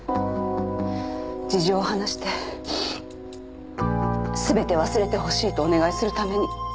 事情を話して全て忘れてほしいとお願いするために。